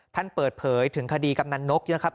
ท่านเปิดเผยถึงคดีกำนันนกนะครับ